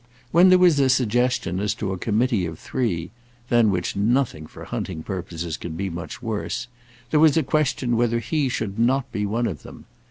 When there was a suggestion as to a committee of three, than which nothing for hunting purposes can be much worse, there was a question whether he should not be one of them.